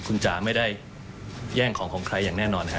คุณจ๋าไม่ได้แย่งของของใครอย่างแน่นอนครับ